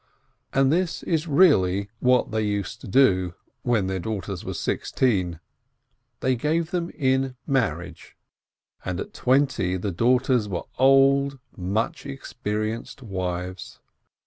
And this is really what they used to do, for when their daughters were sixteen, they gave them in mar riage, and at twenty the daughters were "old," much experienced wives.